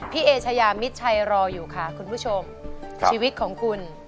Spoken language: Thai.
เอเชยามิดชัยรออยู่ค่ะคุณผู้ชมชีวิตของคุณ